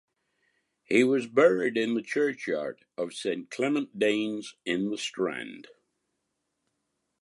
He was buried in the churchyard of Saint Clement Danes in the Strand.